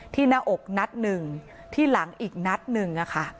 หน้าอกนัดหนึ่งที่หลังอีกนัดหนึ่ง